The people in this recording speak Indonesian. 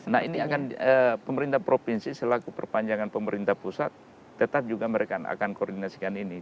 nah ini akan pemerintah provinsi selaku perpanjangan pemerintah pusat tetap juga mereka akan koordinasikan ini